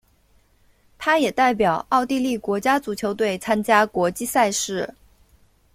他也代表奥地利国家足球队参加国际赛事。